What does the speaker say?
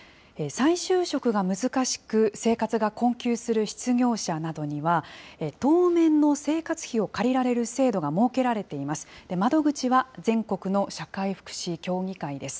再就職が難しく、生活が困窮する失業者などには、当面の生活費を借りられる制度が設けられています。